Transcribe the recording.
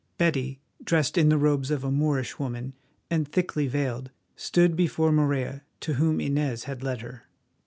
Betty, dressed in the robes of a Moorish woman, and thickly veiled, stood before Morella, to whom Inez had led her.